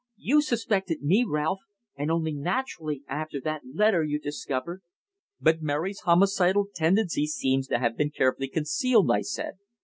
You suspected me, Ralph. And only naturally after that letter you discovered." "But Mary's homicidal tendency seems to have been carefully concealed," I said.